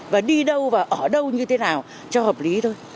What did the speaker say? và đi đâu và ở đâu như thế nào cho hợp lý thôi